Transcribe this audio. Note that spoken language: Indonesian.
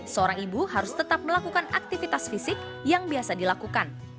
seorang ibu harus tetap melakukan aktivitas fisik yang biasa dilakukan